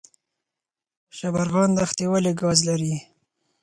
شبرغان دښتې ولې ګاز لري؟